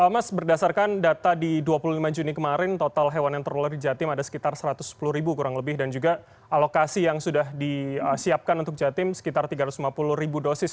mas berdasarkan data di dua puluh lima juni kemarin total hewan yang terluar di jatim ada sekitar satu ratus sepuluh ribu kurang lebih dan juga alokasi yang sudah disiapkan untuk jatim sekitar tiga ratus lima puluh ribu dosis